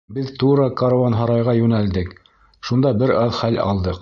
Беҙ тура каруанһарайға йүнәлдек, шунда бер аҙ хәл алдыҡ.